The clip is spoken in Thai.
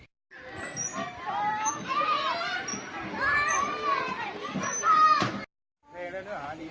โรงงานโบราณภูมิวัฒน์ความทรงจากโรงงานและโรงบัญญาณภูมิวิทยาลักษณะ